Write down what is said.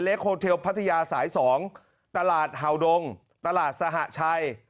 เล็กโฮเทลพระทยาสายสองตลาดห่าวดงตลาดสหชัย